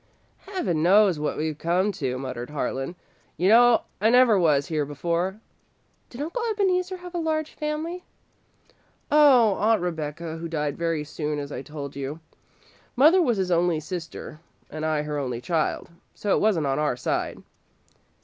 "Heaven knows what we've come to," muttered Harlan. "You know I never was here before." "Did Uncle Ebeneezer have a large family?" "Only Aunt Rebecca, who died very soon, as I told you. Mother was his only sister, and I her only child, so it wasn't on our side."